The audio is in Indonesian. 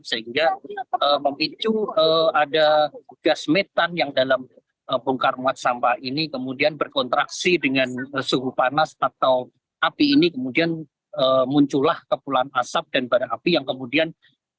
sehingga memicu ada gas metan yang dalam bongkar muat sampah ini kemudian berkontraksi dengan suhu panas atau api ini kemudian muncullah kepulan asap dan bara api yang kemudian